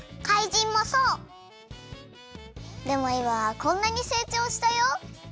でもいまはこんなにせいちょうしたよ。